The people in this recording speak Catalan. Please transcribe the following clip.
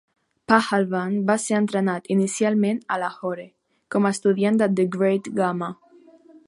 Pahalwan va ser entrenat inicialment a Lahore com a estudiant de The Great Gama.